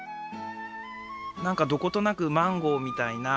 なんかどことなくマンゴーみたいな。